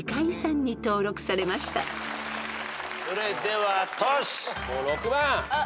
それではトシ。